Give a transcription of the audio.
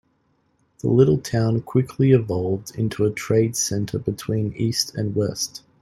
The little town quickly evolved into a trade center between east and west.